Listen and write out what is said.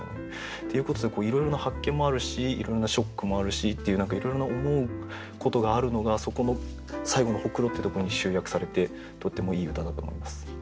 っていうことでいろいろな発見もあるしいろいろなショックもあるしっていう何かいろいろな思うことがあるのがそこの最後の「黒子」ってところに集約されてとってもいい歌だと思います。